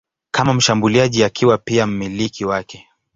kama mshambuliaji akiwa pia mmiliki wake.